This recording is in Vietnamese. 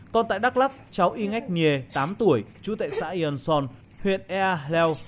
còn tại đắk lắk cháu y ngách nghề tám tuổi trú tại xã yen son huyện ea hleu